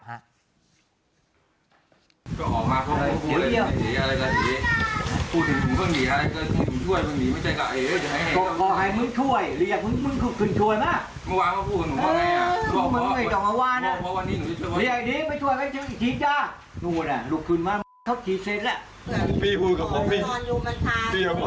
น้องพี่เลยครับ